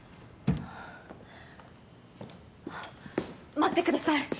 待ってください。